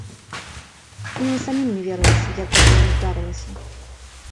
Ім і самім не верылася, як гэта яно здарылася.